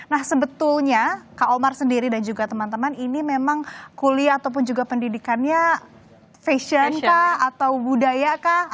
nah sebetulnya kak omar sendiri dan juga teman teman ini memang kuliah ataupun juga pendidikannya fashion kah atau budaya kah